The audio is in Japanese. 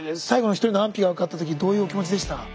最後の１人の安否が分かった時どういうお気持ちでした？